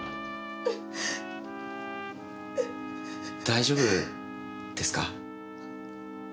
大丈夫ですか？